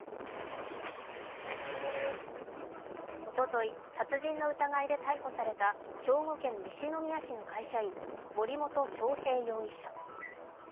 おととい、殺人の疑いで逮捕された兵庫県西宮市の会社員、森本恭平容疑者。